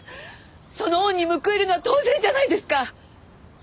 その恩に報いるのは当然じゃないですか！